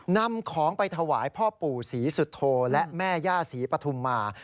นำของไปถวายพ่อปู่ศรีสุโธและแม่ย่าศรีปฐุมมา